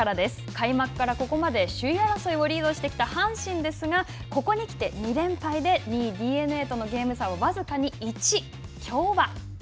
開幕からここまで首位争いをリードしてきた阪神ですが、ここに来て２連敗で２位ＤｅＮＡとのゲーム差を僅かに１。